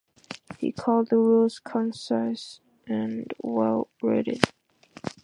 He called the rules "concise and well-written".